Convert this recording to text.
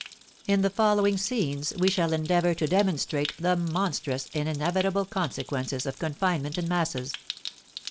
In the following scenes we shall endeavour to demonstrate the monstrous and inevitable consequences of confinement in masses.